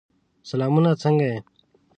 سلامونه! څنګه یې؟